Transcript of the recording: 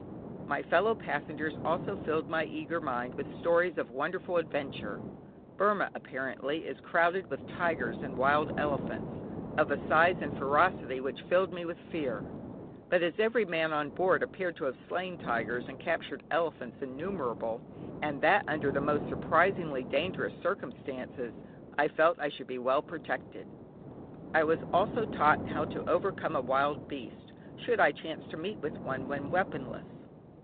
My fellow passengers also filled my eager mind with stories of wonderful adventure. Burmah, apparently, is crowded with tigers and wild elephants, of a size and ferocity which filled me with fear. But as every man on board appeared to have slain tigers and captured elephants innumerable, and that under the most surprisingly dangerous circumstances, I felt I should be well protected. I was also taught how to overcome a wild beast, should I chance to meet with one when weaponless.